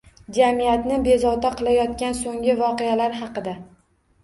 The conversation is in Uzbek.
Jamiyatni bezovta qilayotgan so‘nggi voqealar haqida